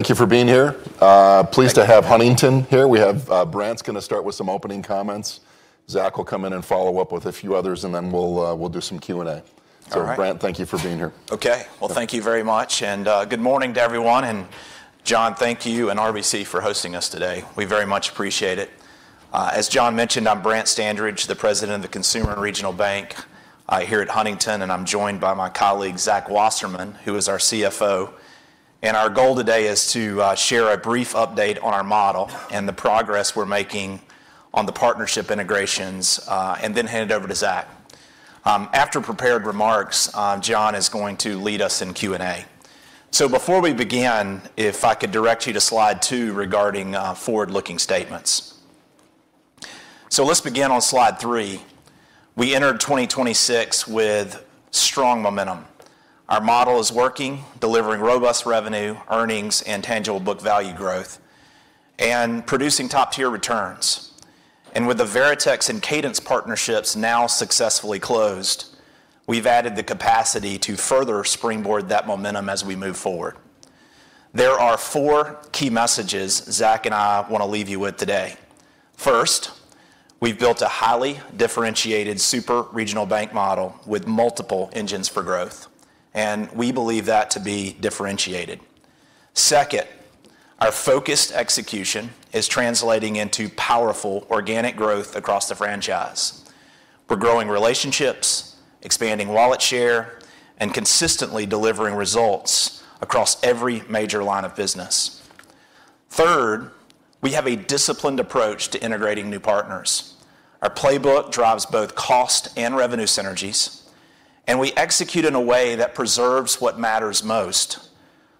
Thank you for being here. Pleased to have Huntington here. We have, Brant's gonna start with some opening comments. Zach will come in and follow up with a few others, and then we'll do some Q&A. All right. Brant, thank you for being here. Okay. Well, thank you very much. Good morning to everyone. Jon, thank you and RBC for hosting us today. We very much appreciate it. As Jon mentioned, I'm Brant Standridge, the President of the Consumer and Regional Banking, here at Huntington, and I'm joined by my colleague, Zach Wasserman, who is our CFO. Our goal today is to share a brief update on our model and the progress we're making on the partnership integrations, and then hand it over to Zach. After prepared remarks, Jon is going to lead us in Q&A. Before we begin, if I could direct you to slide two regarding forward-looking statements. Let's begin on slide three. We entered 2026 with strong momentum. Our model is working, delivering robust revenue, earnings, and tangible book value growth, and producing top-tier returns. With the Veritex and Cadence partnerships now successfully closed, we've added the capacity to further springboard that momentum as we move forward. There are four key messages Zach and I wanna leave you with today. First, we've built a highly differentiated super regional bank model with multiple engines for growth, and we believe that to be differentiated. Second, our focused execution is translating into powerful organic growth across the franchise. We're growing relationships, expanding wallet share, and consistently delivering results across every major line of business. Third, we have a disciplined approach to integrating new partners. Our playbook drives both cost and revenue synergies, and we execute in a way that preserves what matters most,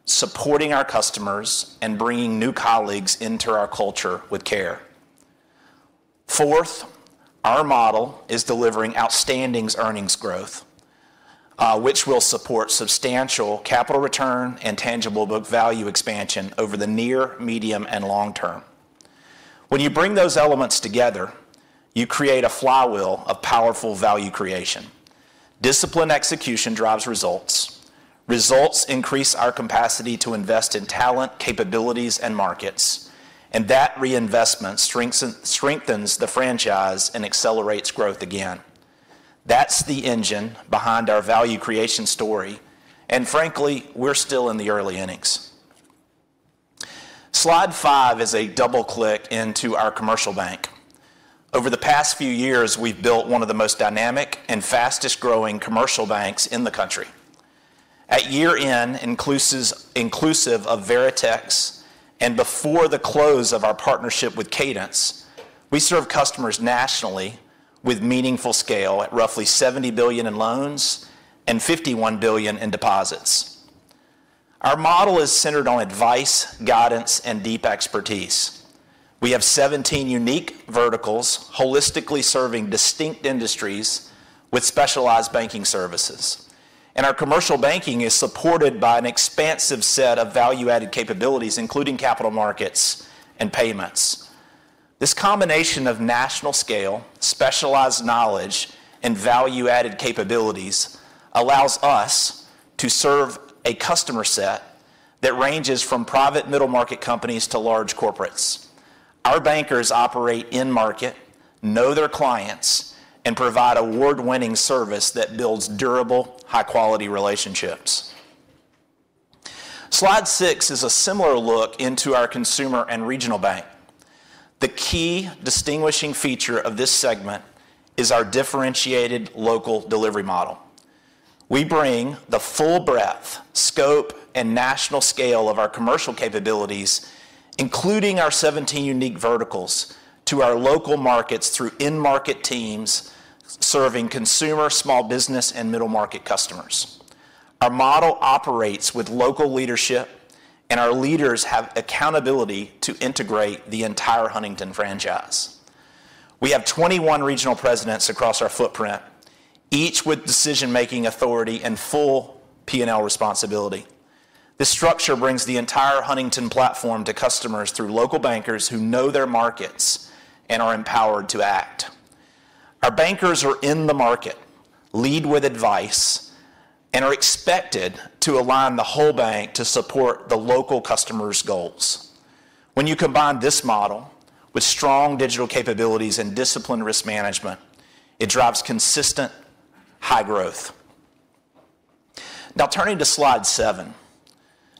supporting our customers and bringing new colleagues into our culture with care. Fourth, our model is delivering outstanding earnings growth, which will support substantial capital return and tangible book value expansion over the near, medium, and long term. When you bring those elements together, you create a flywheel of powerful value creation. Disciplined execution drives results. Results increase our capacity to invest in talent, capabilities, and markets. That reinvestment strengthens the franchise and accelerates growth again. That's the engine behind our value creation story. Frankly, we're still in the early innings. Slide five is a double-click into our commercial bank. Over the past few years, we've built one of the most dynamic and fastest-growing commercial banks in the country. At year-end, inclusive of Veritex, and before the close of our partnership with Cadence, we serve customers nationally with meaningful scale at roughly $70 billion in loans and $51 billion in deposits. Our model is centered on advice, guidance, and deep expertise. We have 17 unique verticals holistically serving distinct industries with specialized banking services. Our commercial banking is supported by an expansive set of value-added capabilities, including Capital Markets and payments. This combination of national scale, specialized knowledge, and value-added capabilities allows us to serve a customer set that ranges from private middle-market companies to large corporates. Our bankers operate in-market, know their clients, and provide award-winning service that builds durable, high-quality relationships. Slide five is a similar look into our Consumer and Regional Banking. The key distinguishing feature of this segment is our differentiated local delivery model. We bring the full breadth, scope, and national scale of our commercial capabilities, including our 17 unique verticals, to our local markets through in-market teams serving consumer, small business, and middle-market customers. Our model operates with local leadership, and our leaders have accountability to integrate the entire Huntington franchise. We have 21 regional presidents across our footprint, each with decision-making authority and full P&L responsibility. This structure brings the entire Huntington platform to customers through local bankers who know their markets and are empowered to act. Our bankers are in the market, lead with advice, and are expected to align the whole bank to support the local customers' goals. When you combine this model with strong digital capabilities and disciplined risk management, it drives consistent high growth. Now turning to slide seven.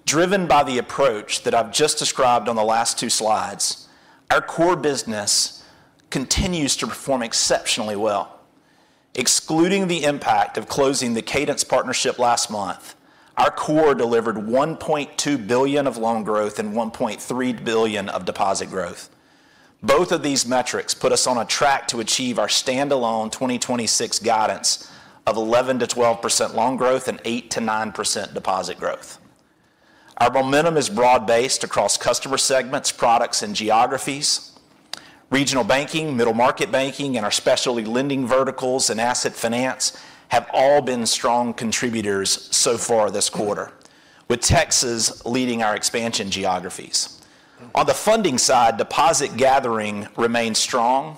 Driven by the approach that I've just described on the last two slides, our core business continues to perform exceptionally well. Excluding the impact of closing the Cadence partnership last month, our core delivered $1.2 billion of loan growth and $1.3 billion of deposit growth. Both of these metrics put us on a track to achieve our standalone 2026 guidance of 11%-12% loan growth and 8%-9% deposit growth. Our momentum is broad-based across customer segments, products, and geographies. Regional banking, middle-market banking, and our specialty lending verticals and Asset Finance have all been strong contributors so far this quarter, with Texas leading our expansion geographies. On the funding side, deposit gathering remains strong,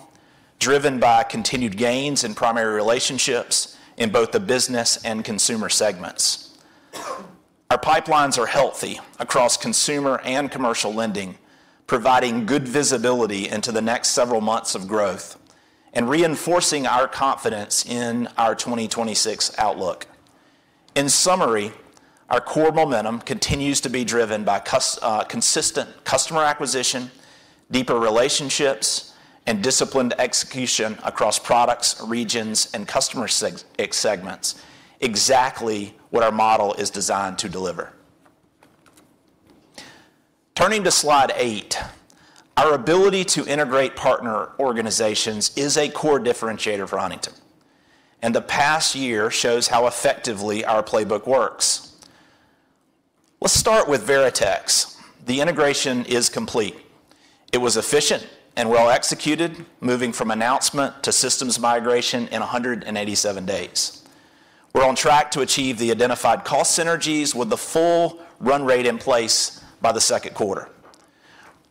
driven by continued gains in primary relationships in both the business and consumer segments. Our pipelines are healthy across consumer and commercial lending, providing good visibility into the next several months of growth and reinforcing our confidence in our 2026 outlook. In summary, our core momentum continues to be driven by consistent customer acquisition, deeper relationships, and disciplined execution across products, regions, and customer segments, exactly what our model is designed to deliver. Turning to slide eight, our ability to integrate partner organizations is a core differentiator for Huntington, and the past year shows how effectively our playbook works. Let's start with Veritex. The integration is complete. It was efficient and well executed, moving from announcement to systems migration in 187 days. We're on track to achieve the identified cost synergies with the full run rate in place by the second quarter.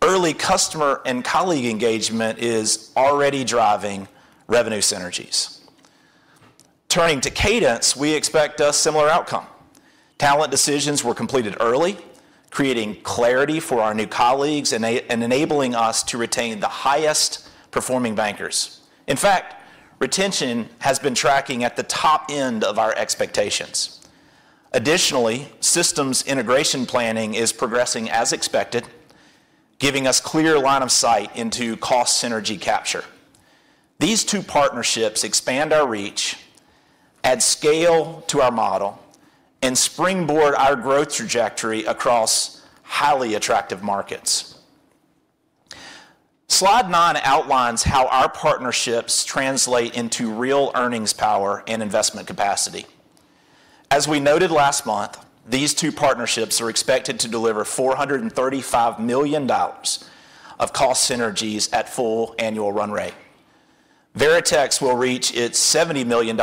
Early customer and colleague engagement is already driving revenue synergies. Turning to Cadence, we expect a similar outcome. Talent decisions were completed early, creating clarity for our new colleagues and enabling us to retain the highest performing bankers. In fact, retention has been tracking at the top end of our expectations. Additionally, systems integration planning is progressing as expected, giving us clear line of sight into cost synergy capture. These two partnerships expand our reach, add scale to our model, and springboard our growth trajectory across highly attractive markets. Slide nine outlines how our partnerships translate into real earnings power and investment capacity. As we noted last month, these two partnerships are expected to deliver $435 million of cost synergies at full annual run rate. Veritex will reach its $70 million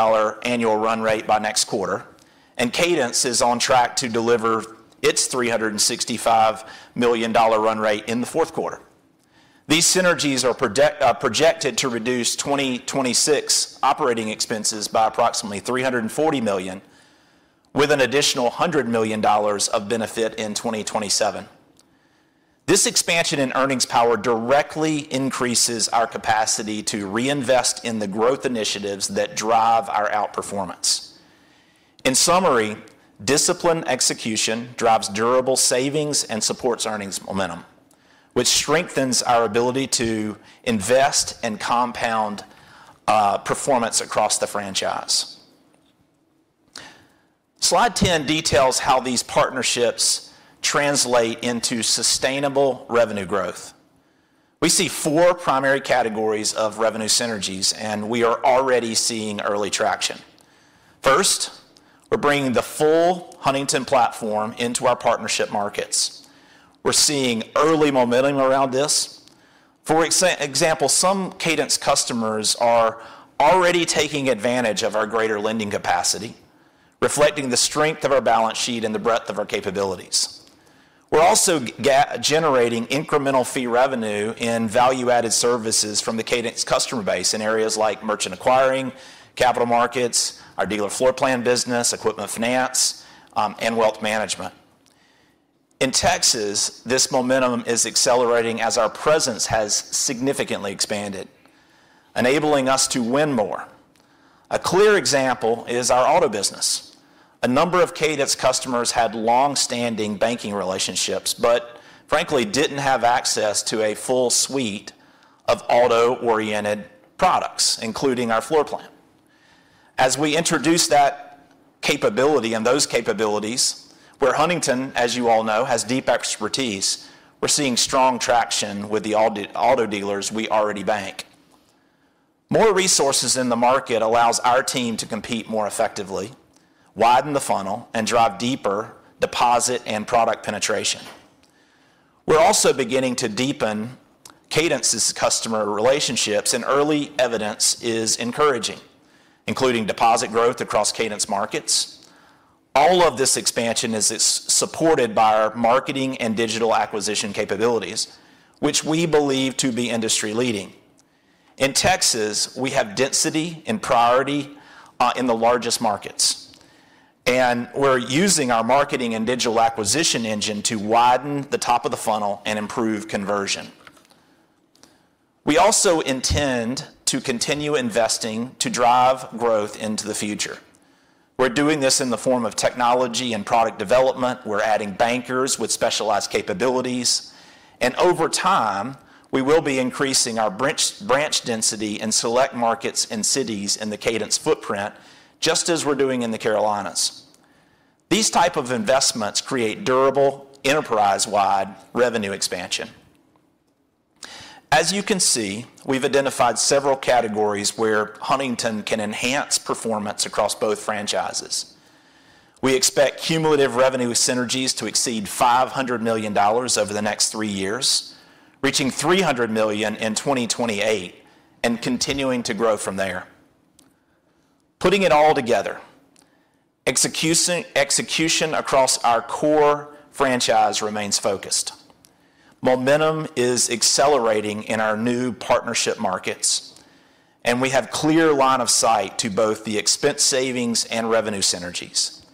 annual run rate by next quarter, and Cadence is on track to deliver its $365 million run rate in the fourth quarter. These synergies are projected to reduce 2026 operating expenses by approximately $340 million, with an additional $100 million of benefit in 2027. This expansion in earnings power directly increases our capacity to reinvest in the growth initiatives that drive our outperformance. In summary, disciplined execution drives durable savings and supports earnings momentum, which strengthens our ability to invest and compound performance across the franchise. Slide 10 details how these partnerships translate into sustainable revenue growth. We see four primary categories of revenue synergies, and we are already seeing early traction. First, we're bringing the full Huntington platform into our partnership markets. We're seeing early momentum around this. For example, some Cadence customers are already taking advantage of our greater lending capacity, reflecting the strength of our balance sheet and the breadth of our capabilities. We're also generating incremental fee revenue and value-added services from the Cadence customer base in areas like merchant acquiring, Capital Markets, our dealer floor plan business, equipment finance, and Wealth Management. In Texas, this momentum is accelerating as our presence has significantly expanded, enabling us to win more. A clear example is our auto business. A number of Cadence customers had long-standing banking relationships, but frankly didn't have access to a full suite of auto-oriented products, including our floor plan. As we introduce that capability and those capabilities, where Huntington, as you all know, has deep expertise, we're seeing strong traction with the auto dealers we already bank. More resources in the market allows our team to compete more effectively, widen the funnel, and drive deeper deposit and product penetration. We're also beginning to deepen Cadence's customer relationships, and early evidence is encouraging, including deposit growth across Cadence markets. All of this expansion is supported by our marketing and digital acquisition capabilities, which we believe to be industry-leading. In Texas, we have density and priority in the largest markets, and we're using our marketing and digital acquisition engine to widen the top of the funnel and improve conversion. We also intend to continue investing to drive growth into the future. We're doing this in the form of technology and product development. We're adding bankers with specialized capabilities. Over time, we will be increasing our branch density in select markets and cities in the Cadence footprint, just as we're doing in the Carolinas. These type of investments create durable, enterprise-wide revenue expansion. As you can see, we've identified several categories where Huntington can enhance performance across both franchises. We expect cumulative revenue synergies to exceed $500 million over the next three years, reaching $300 million in 2028, and continuing to grow from there. Putting it all together, execution across our core franchise remains focused. Momentum is accelerating in our new partnership markets, and we have clear line of sight to both the expense savings and revenue synergies.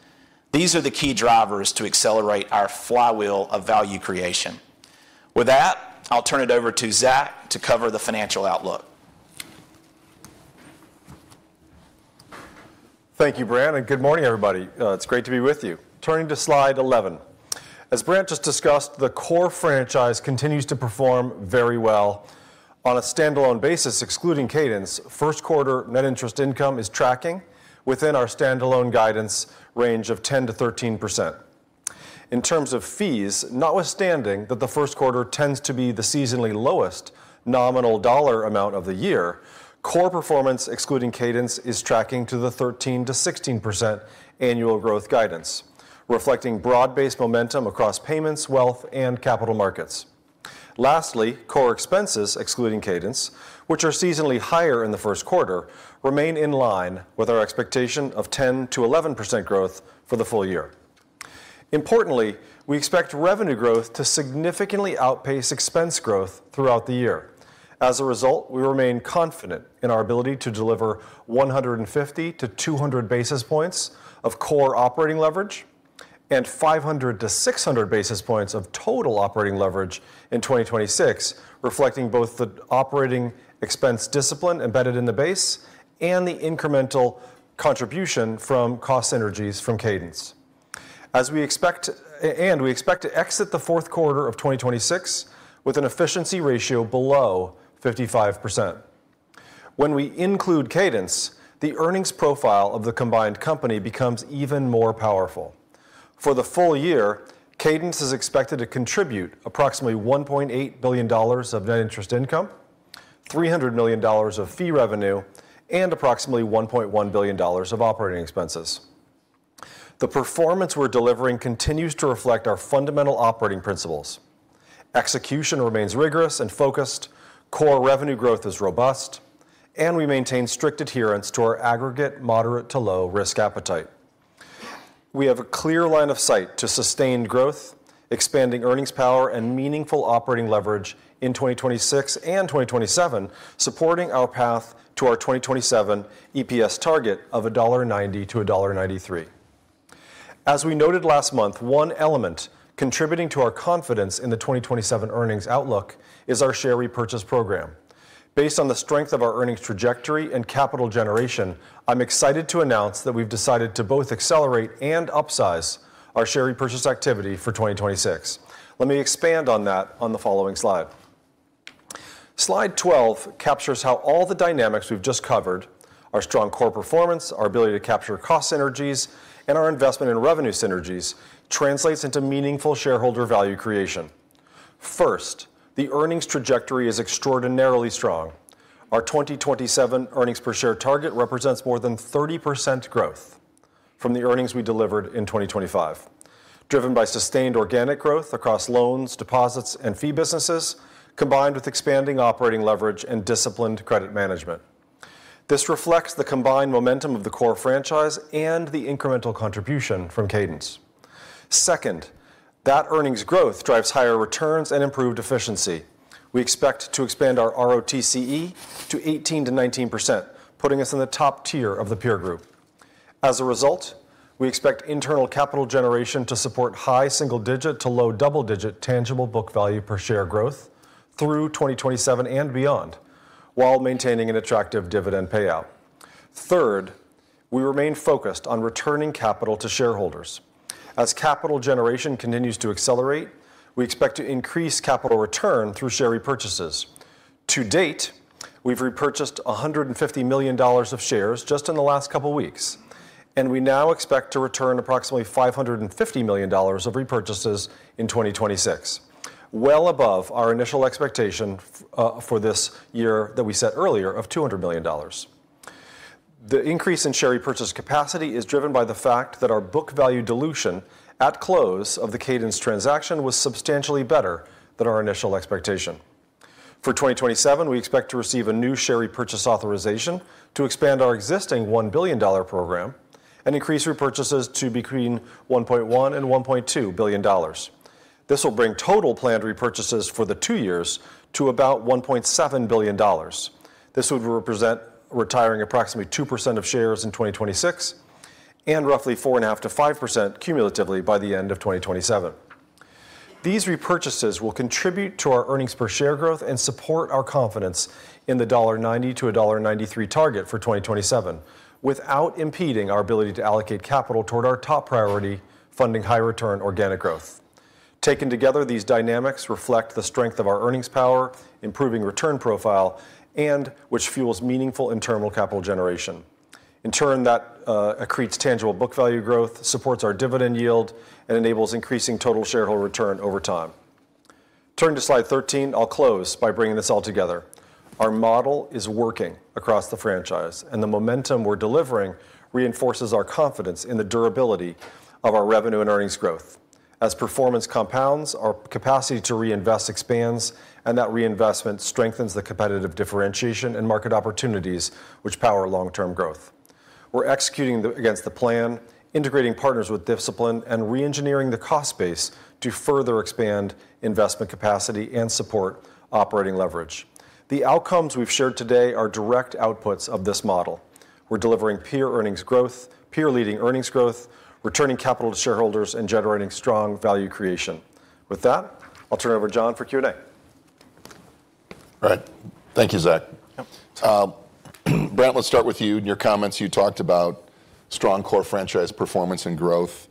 These are the key drivers to accelerate our flywheel of value creation. With that, I'll turn it over to Zach to cover the financial outlook. Thank you, Brant, and good morning, everybody. It's great to be with you. Turning to slide 11. As Brant just discussed, the core franchise continues to perform very well. On a standalone basis, excluding Cadence, first quarter net interest income is tracking within our standalone guidance range of 10%-13%. In terms of fees, notwithstanding that the first quarter tends to be the seasonally lowest nominal dollar amount of the year, core performance, excluding Cadence, is tracking to the 13%-16% annual growth guidance, reflecting broad-based momentum across payments, wealth, and capital markets. Lastly, core expenses, excluding Cadence, which are seasonally higher in the first quarter, remain in line with our expectation of 10%-11% growth for the full year. Importantly, we expect revenue growth to significantly outpace expense growth throughout the year. As a result, we remain confident in our ability to deliver 150-200 basis points of core operating leverage and 500-600 basis points of total operating leverage in 2026, reflecting both the operating expense discipline embedded in the base and the incremental contribution from cost synergies from Cadence. We expect to exit the fourth quarter of 2026 with an efficiency ratio below 55%. When we include Cadence, the earnings profile of the combined company becomes even more powerful. For the full year, Cadence is expected to contribute approximately $1.8 billion of net interest income, $300 million of fee revenue, and approximately $1.1 billion of operating expenses. The performance we're delivering continues to reflect our fundamental operating principles. Execution remains rigorous and focused, core revenue growth is robust, and we maintain strict adherence to our aggregate moderate to low risk appetite. We have a clear line of sight to sustained growth, expanding earnings power, and meaningful operating leverage in 2026 and 2027, supporting our path to our 2027 EPS target of $1.90-$1.93. As we noted last month, one element contributing to our confidence in the 2027 earnings outlook is our share repurchase program. Based on the strength of our earnings trajectory and capital generation, I'm excited to announce that we've decided to both accelerate and upsize our share repurchase activity for 2026. Let me expand on that on the following slide. Slide 12 captures how all the dynamics we've just covered, our strong core performance, our ability to capture cost synergies, and our investment in revenue synergies, translates into meaningful shareholder value creation. First, the earnings trajectory is extraordinarily strong. Our 2027 earnings per share target represents more than 30% growth from the earnings we delivered in 2025, driven by sustained organic growth across loans, deposits, and fee businesses, combined with expanding operating leverage and disciplined credit management. This reflects the combined momentum of the core franchise and the incremental contribution from Cadence. Second, that earnings growth drives higher returns and improved efficiency. We expect to expand our ROTCE to 18%-19%, putting us in the top tier of the peer group. As a result, we expect internal capital generation to support high single-digit to low double-digit tangible book value per share growth through 2027 and beyond while maintaining an attractive dividend payout. Third, we remain focused on returning capital to shareholders. As capital generation continues to accelerate, we expect to increase capital return through share repurchases. To date, we've repurchased $150 million of shares just in the last couple weeks, and we now expect to return approximately $550 million of repurchases in 2026, well above our initial expectation for this year that we set earlier of $200 million. The increase in share repurchase capacity is driven by the fact that our book value dilution at close of the Cadence transaction was substantially better than our initial expectation. For 2027, we expect to receive a new share repurchase authorization to expand our existing $1 billion program and increase repurchases to between $1.1 billion and $1.2 billion. This will bring total planned repurchases for the two years to about $1.7 billion. This would represent retiring approximately 2% of shares in 2026, and roughly 4.5%-5% cumulatively by the end of 2027. These repurchases will contribute to our earnings per share growth and support our confidence in the $1.90-$1.93 target for 2027 without impeding our ability to allocate capital toward our top priority, funding high return organic growth. Taken together, these dynamics reflect the strength of our earnings power, improving return profile, and which fuels meaningful internal capital generation. In turn, that accretes tangible book value growth, supports our dividend yield, and enables increasing total shareholder return over time. Turn to slide 13. I'll close by bringing this all together. Our model is working across the franchise, and the momentum we're delivering reinforces our confidence in the durability of our revenue and earnings growth. As performance compounds, our capacity to reinvest expands, and that reinvestment strengthens the competitive differentiation and market opportunities which power long-term growth. We're executing against the plan, integrating partners with discipline, and re-engineering the cost base to further expand investment capacity and support operating leverage. The outcomes we've shared today are direct outputs of this model. We're delivering peer earnings growth, peer leading earnings growth, returning capital to shareholders, and generating strong value creation. With that, I'll turn it over to John for Q&A. All right. Thank you, Zach. Yep. Brant, let's start with you. In your comments, you talked about strong core franchise performance and growth.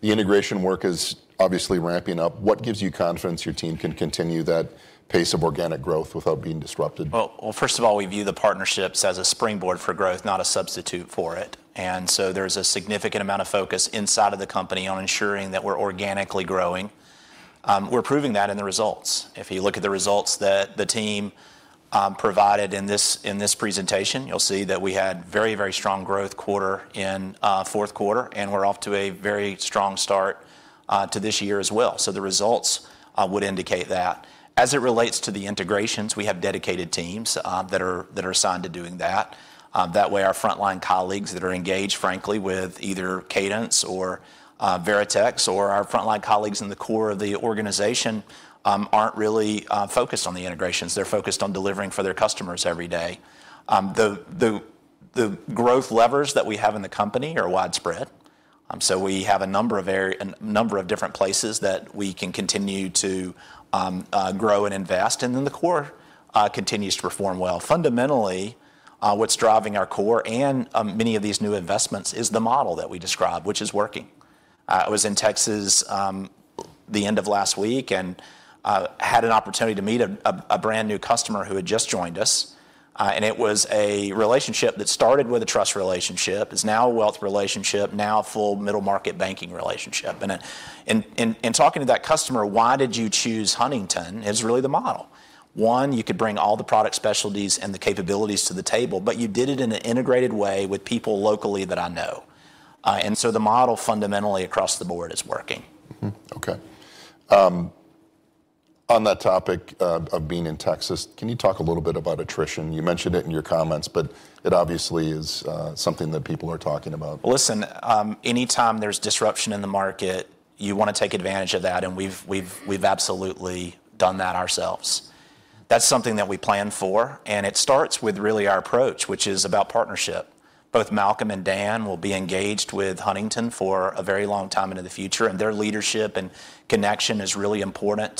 The integration work is obviously ramping up. What gives you confidence your team can continue that pace of organic growth without being disrupted? Well, first of all, we view the partnerships as a springboard for growth, not a substitute for it. There's a significant amount of focus inside of the company on ensuring that we're organically growing. We're proving that in the results. If you look at the results that the team provided in this presentation, you'll see that we had very, very strong growth in fourth quarter, and we're off to a very strong start to this year as well. The results would indicate that. As it relates to the integrations, we have dedicated teams that are assigned to doing that. That way our frontline colleagues that are engaged, frankly, with either Cadence or Veritex or our frontline colleagues in the core of the organization aren't really focused on the integrations. They're focused on delivering for their customers every day. The growth levers that we have in the company are widespread. We have a number of different places that we can continue to grow and invest. The core continues to perform well. Fundamentally, what's driving our core and many of these new investments is the model that we described, which is working. I was in Texas the end of last week and had an opportunity to meet a brand-new customer who had just joined us. It was a relationship that started with a trust relationship. It's now a wealth relationship, a full middle market banking relationship. Talking to that customer, "Why did you choose Huntington?" is really the model. One, you could bring all the product specialties and the capabilities to the table, but you did it in an integrated way with people locally that I know. The model fundamentally across the board is working. Mm-hmm. Okay. On that topic of being in Texas, can you talk a little bit about attrition? You mentioned it in your comments, but it obviously is something that people are talking about. Listen, anytime there's disruption in the market, you wanna take advantage of that, and we've absolutely done that ourselves. That's something that we plan for, and it starts with really our approach, which is about partnership. Both Malcolm and Dan will be engaged with Huntington for a very long time into the future, and their leadership and connection is really important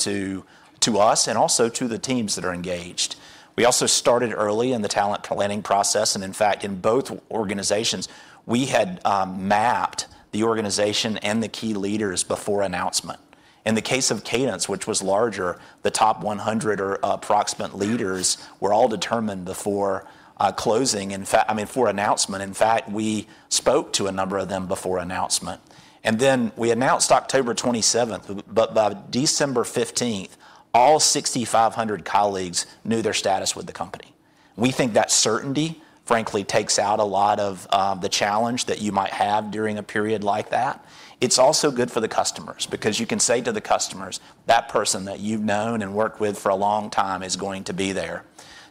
to us and also to the teams that are engaged. We also started early in the talent planning process, and in fact, in both organizations, we had mapped the organization and the key leaders before announcement. In the case of Cadence, which was larger, the top 100 or approximate leaders were all determined before closing. In fact, I mean, before announcement. In fact, we spoke to a number of them before announcement. Then we announced October 27th, but by December 15th, all 6,500 colleagues knew their status with the company. We think that certainty, frankly, takes out a lot of the challenge that you might have during a period like that. It's also good for the customers because you can say to the customers, "That person that you've known and worked with for a long time is going to be there."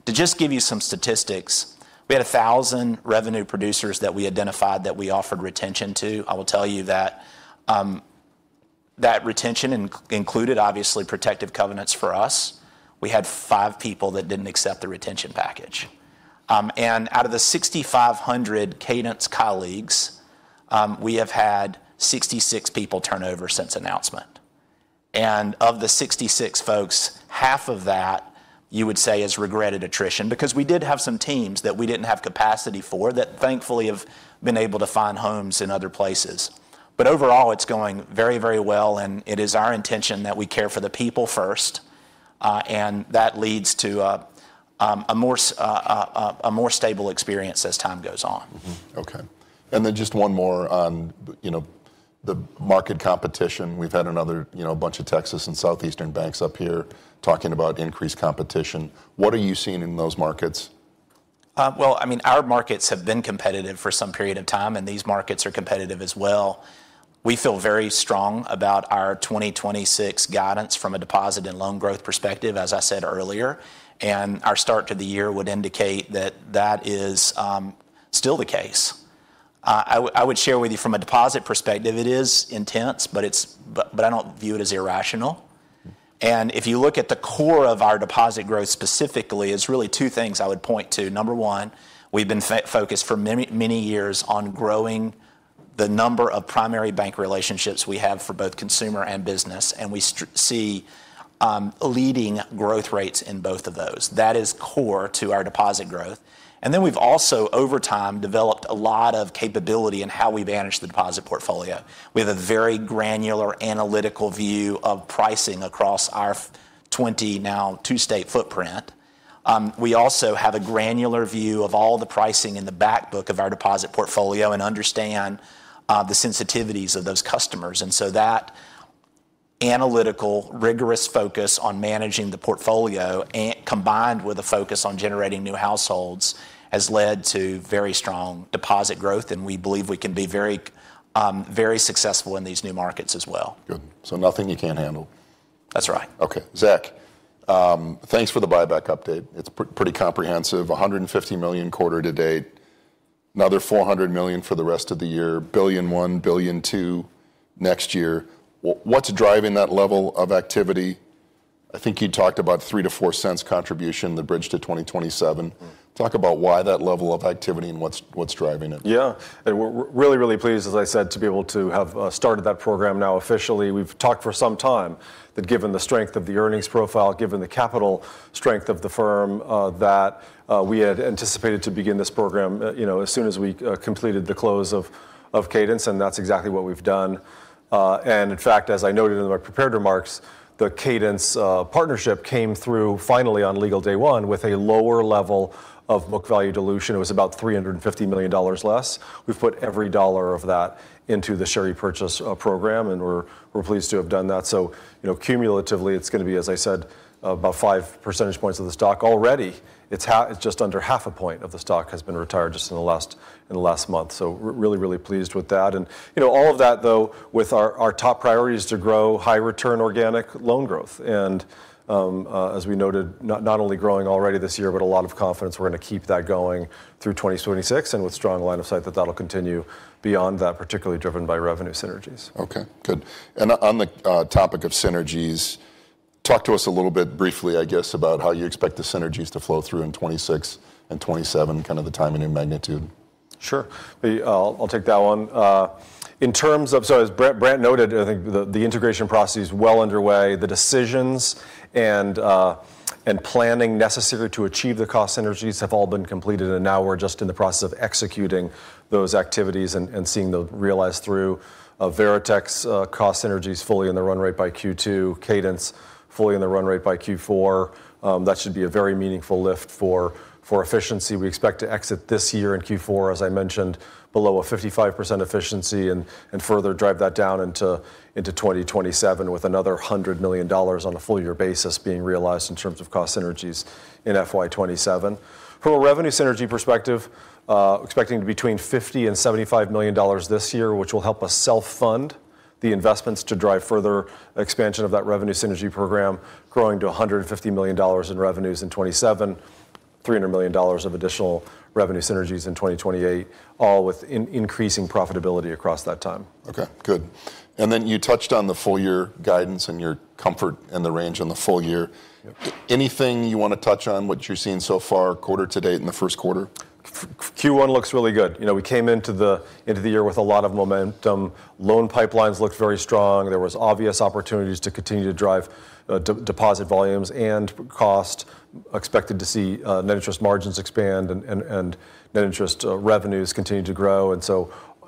To just give you some statistics, we had 1,000 revenue producers that we identified that we offered retention to. I will tell you that that retention included obviously protective covenants for us. We had five people that didn't accept the retention package. Out of the 6,500 Cadence colleagues, we have had 66 people turnover since announcement. Of the 66 folks, half of that you would say is regretted attrition because we did have some teams that we didn't have capacity for that thankfully have been able to find homes in other places. Overall, it's going very, very well, and it is our intention that we care for the people first, and that leads to a more stable experience as time goes on. Okay. Just one more on, you know, the market competition. We've had another, you know, bunch of Texas and Southeastern banks up here talking about increased competition. What are you seeing in those markets? Well, I mean, our markets have been competitive for some period of time, and these markets are competitive as well. We feel very strong about our 2026 guidance from a deposit and loan growth perspective, as I said earlier, and our start to the year would indicate that that is still the case. I would share with you from a deposit perspective, it is intense, but it's, but I don't view it as irrational. Mm-hmm. If you look at the core of our deposit growth specifically, it's really two things I would point to. Number one, we've been focused for many, many years on growing the number of primary bank relationships we have for both consumer and business, and we see leading growth rates in both of those. That is core to our deposit growth. Then we've also over time developed a lot of capability in how we manage the deposit portfolio. We have a very granular analytical view of pricing across our 22-state footprint now. We also have a granular view of all the pricing in the back book of our deposit portfolio and understand the sensitivities of those customers. Analytical, rigorous focus on managing the portfolio, and combined with a focus on generating new households has led to very strong deposit growth, and we believe we can be very, very successful in these new markets as well. Good. Nothing you can't handle. That's right. Okay. Zach, thanks for the buyback update. It's pretty comprehensive. $150 million quarter-to-date. Another $400 million for the rest of the year. $1 billion-$2 billion next year. What's driving that level of activity? I think you talked about 3-4 cents contribution, the bridge to 2027. Mm. Talk about why that level of activity, and what's driving it. Yeah. We're really pleased, as I said, to be able to have started that program now officially. We've talked for some time that given the strength of the earnings profile, given the capital strength of the firm, that we had anticipated to begin this program, you know, as soon as we completed the close of Cadence, and that's exactly what we've done. In fact, as I noted in my prepared remarks, the Cadence partnership came through finally on legal day one with a lower level of book value dilution. It was about $350 million less. We've put every dollar of that into the share repurchase program, and we're pleased to have done that. You know, cumulatively, it's gonna be, as I said, about five percentage points of the stock. Already it's just under half a point of the stock has been retired just in the last month. Really pleased with that. You know, all of that though, our top priority is to grow high return organic loan growth. As we noted, not only growing already this year, but a lot of confidence we're gonna keep that going through 2026, and with strong line of sight that that'll continue beyond that, particularly driven by revenue synergies. Okay. Good. On the topic of synergies, talk to us a little bit briefly, I guess, about how you expect the synergies to flow through in 2026 and 2027, kind of the timing and magnitude? Sure. I'll take that one. In terms of, as Brent noted, I think the integration process is well underway. The decisions and planning necessary to achieve the cost synergies have all been completed, and now we're just in the process of executing those activities and seeing them realize through. Veritex cost synergies fully in the run rate by Q2, Cadence fully in the run rate by Q4. That should be a very meaningful lift for efficiency. We expect to exit this year in Q4, as I mentioned, below a 55% efficiency, and further drive that down into 2027, with another $100 million on a full year basis being realized in terms of cost synergies in FY 2027. From a revenue synergy perspective, expecting between $50 million and $75 million this year, which will help us self-fund the investments to drive further expansion of that revenue synergy program, growing to $150 million in revenues in 2027, $300 million of additional revenue synergies in 2028, all with increasing profitability across that time. Okay. Good. You touched on the full year guidance and your comfort and the range on the full year. Yeah. Anything you wanna touch on what you're seeing so far quarter to date in the first quarter? Q1 looks really good. You know, we came into the year with a lot of momentum. Loan pipelines looked very strong. There was obvious opportunities to continue to drive deposit volumes and cost. Expected to see net interest margins expand and net interest revenues continue to grow.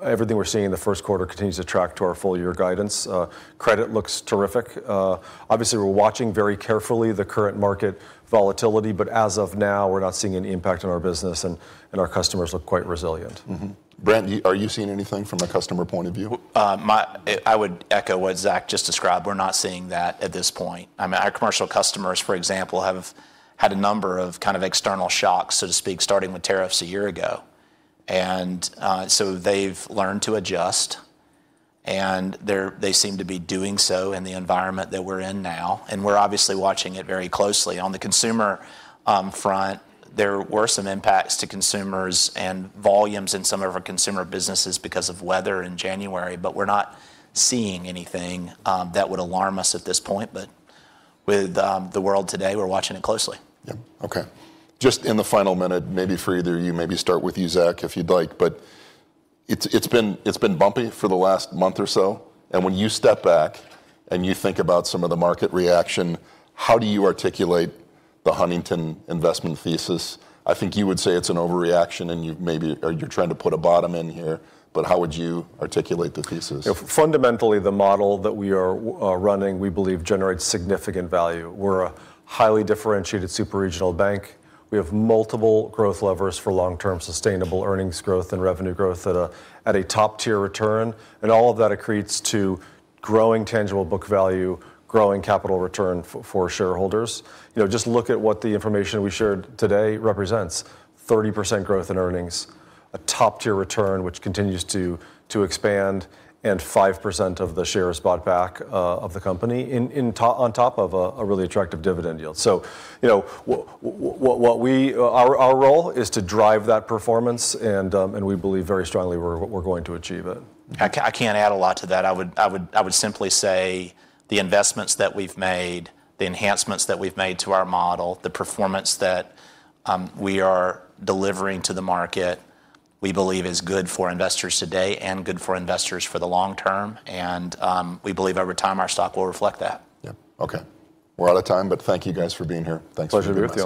Everything we're seeing in the first quarter continues to track to our full year guidance. Credit looks terrific. Obviously we're watching very carefully the current market volatility, but as of now, we're not seeing any impact on our business, and our customers look quite resilient. Brant, are you seeing anything from a customer point of view? I would echo what Zach just described. We're not seeing that at this point. I mean, our commercial customers, for example, have had a number of kind of external shocks, so to speak, starting with tariffs a year ago. They've learned to adjust, and they seem to be doing so in the environment that we're in now, and we're obviously watching it very closely. On the consumer front, there were some impacts to consumers and volumes in some of our consumer businesses because of weather in January. We're not seeing anything that would alarm us at this point. With the world today, we're watching it closely. Yeah. Okay. Just in the final minute, maybe for either of you, maybe start with you, Zach, if you'd like. It's been bumpy for the last month or so, when you step back, and you think about some of the market reaction, how do you articulate the Huntington investment thesis? I think you would say it's an overreaction. You're trying to put a bottom in here, how would you articulate the thesis? Fundamentally, the model that we are running, we believe generates significant value. We're a highly differentiated super regional bank. We have multiple growth levers for long-term sustainable earnings growth and revenue growth at a top-tier return. All of that accretes to growing tangible book value, growing capital return for shareholders. You know, just look at what the information we shared today represents. 30% growth in earnings, a top-tier return, which continues to expand, and 5% of the shares bought back of the company and on top of a really attractive dividend yield. You know, what our role is to drive that performance, and we believe very strongly we're going to achieve it. I can't add a lot to that. I would simply say the investments that we've made, the enhancements that we've made to our model, the performance that we are delivering to the market, we believe is good for investors today and good for investors for the long term. We believe over time our stock will reflect that. Yeah. Okay. We're out of time, but thank you guys for being here. Thanks for being with us.